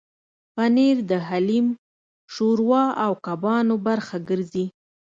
پنېر د حلیم، شوروا او کبابو برخه ګرځي.